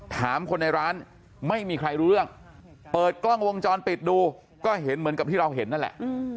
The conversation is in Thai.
ถามคนในร้านไม่มีใครรู้เรื่องเปิดกล้องวงจรปิดดูก็เห็นเหมือนกับที่เราเห็นนั่นแหละ